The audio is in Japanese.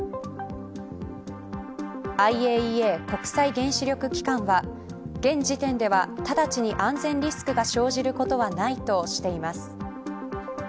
ＩＡＥＡ国際原子力機関は現時点では、直ちに安全リスクが生じることはないとしています。